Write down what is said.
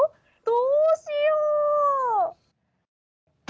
どうしよう！